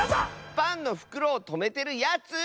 パンのふくろをとめてるやつ！